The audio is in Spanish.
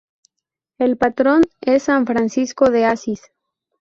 El patrón es San Francisco de Asís.